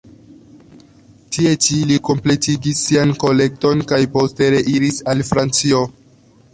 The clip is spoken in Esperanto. Tie ĉi li kompletigis sian kolekton kaj poste reiris al Francio.